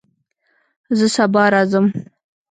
زه سبا راځم